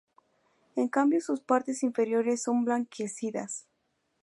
En cambio sus partes inferiores son blanquecinas.